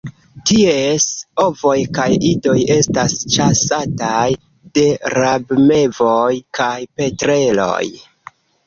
Ties ovoj kaj idoj estas ĉasataj de rabmevoj kaj petreloj.